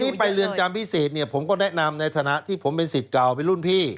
ไปเรือนจำพิเศษเนี่ยผมก็แนะนำในฐานะที่ผมเป็นสิทธิ์เก่าเป็นรุ่นพี่